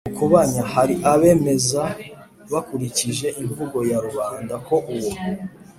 mukobanya (hari abemeza bakurikije imvugo ya rubanda ko uwo